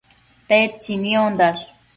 Tedtsi niondash?